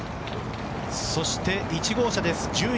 そして１号車です。